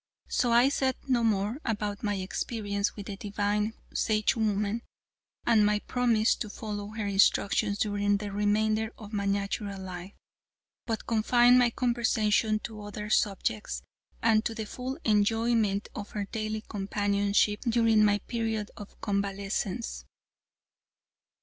So I said no more about my experience with the divine Sagewoman and my promise to follow her instructions during the remainder of my natural life, but confined my conversation to other subjects, and to the full enjoyment of her daily companionship during my period of convalescence.